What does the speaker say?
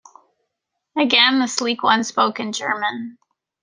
Again the sleek one spoke in German.